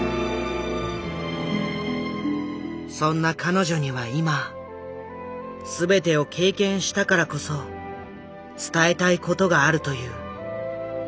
そんな彼女には今全てを経験したからこそ伝えたい事があるという。